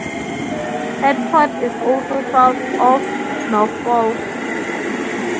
Hertford is also south of Norfolk.